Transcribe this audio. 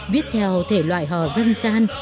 viết theo thể loại họ dân gian